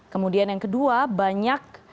kemudian yang kedua banyak